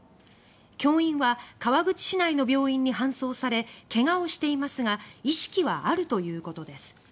教員は川口市内の病院に搬送され怪我をしていますが意識はあるということです。